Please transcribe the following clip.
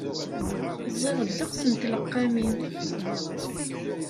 Ẓẓiɣ ddeqs n tleqqamin.